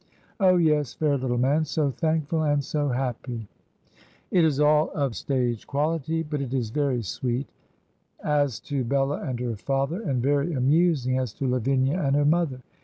Oh, yes, fair httle man, so thankful and so happy I'" It is all of stage quality, but it is very sweet, as to Bella and her father, and very amusing as to Lavinia and her mother.